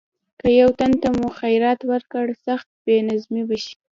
که یو تن ته مو خیرات ورکړ سخت بې نظمي به شي.